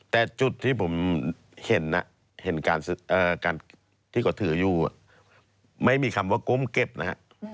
แต่จุดที่ผมเห็นการที่เขาถืออยู่ไม่มีคำว่าก้มเก็บนะฮะ